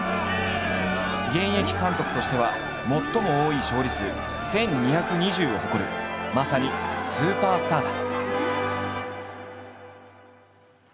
現役監督としては最も多い勝利数１，２２０を誇るまさにスーパースターだ。